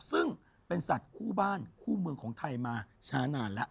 ซึ่งเป็นสัตว์คู่บ้านคู่เมืองของไทยมาช้านานแล้ว